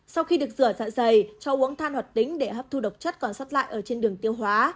sau khi được rửa dạ dày cho uống than hoạt tính để hấp thu độc chất còn sót lại ở trên đường tiêu hóa